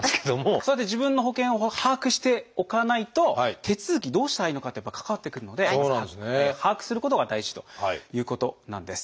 そうやって自分の保険を把握しておかないと手続きどうしたらいいのかってやっぱり関わってくるので把握することが大事ということなんです。